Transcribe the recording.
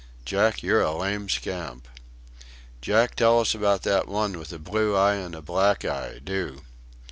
"Jack, you're a lame scamp." "Jack, tell us about that one with a blue eye and a black eye. Do."